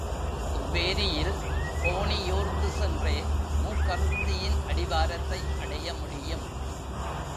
இவ்வேரியில் தோணியூர்ந்து சென்றே மூக்கறுத்தியின் அடிவாரத்தை அடைய முடியும்.